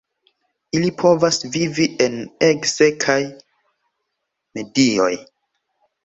Ili povas vivi en ege sekaj medioj.